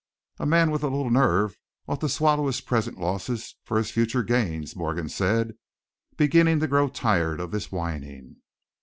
"A man with a little nerve ought to swallow his present losses for his future gains," Morgan said, beginning to grow tired of this whining.